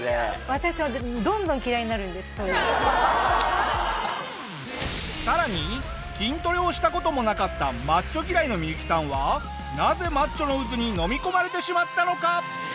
私はさらに筋トレをした事もなかったマッチョ嫌いのミユキさんはなぜマッチョの渦に飲み込まれてしまったのか！？